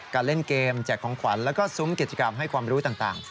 เล่นเกมแจกของขวัญแล้วก็ซุ้มกิจกรรมให้ความรู้ต่าง